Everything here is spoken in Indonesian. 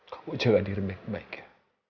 kamu jaga diri baik ya